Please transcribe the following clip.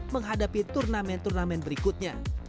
menghadapi turnamen turnamen berikutnya